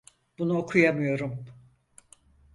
Bunu okuyamıyorum.